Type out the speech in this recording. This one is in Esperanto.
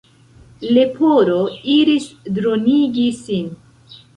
Leporo iris dronigi sin.